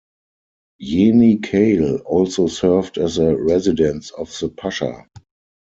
Yeni-Kale also served as a residence of the pasha.